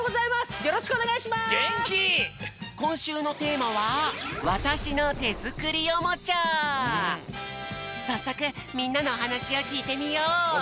こんしゅうのテーマはさっそくみんなのおはなしをきいてみよう！